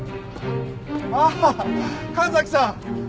あっ神崎さん！